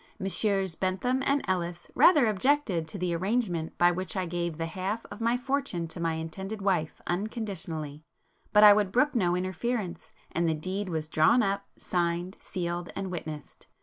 Messrs Bentham and Ellis rather objected to the arrangement by which I gave the half of my fortune to my intended wife unconditionally; but I would brook no interference, and the deed was drawn up, signed, sealed and witnessed.